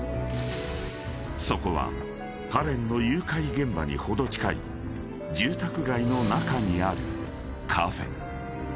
［そこはカレンの誘拐現場に程近い住宅街の中にあるカフェ］